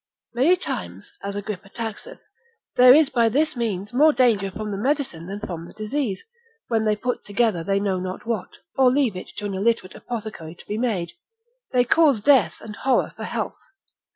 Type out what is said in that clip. Many times (as Agrippa taxeth) there is by this means more danger from the medicine than from the disease, when they put together they know not what, or leave it to an illiterate apothecary to be made, they cause death and horror for health.